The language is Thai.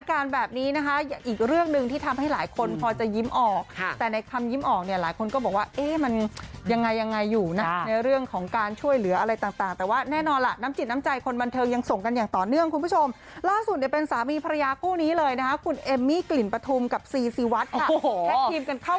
การแบบนี้นะคะอีกเรื่องหนึ่งที่ทำให้หลายคนพอจะยิ้มออกแต่ในคำยิ้มออกเนี่ยหลายคนก็บอกว่าเอ๊ะมันยังไงยังไงอยู่นะในเรื่องของการช่วยเหลืออะไรต่างแต่ว่าแน่นอนล่ะน้ำจิตน้ำใจคนบันเทิงยังส่งกันอย่างต่อเนื่องคุณผู้ชมล่าสุดเนี่ยเป็นสามีภรรยาคู่นี้เลยนะคะคุณเอมมี่กลิ่นปฐุมกับซีซีวัดค่ะโอ้โหแท็กทีมกันเข้า